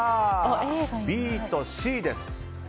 ＢとＣです。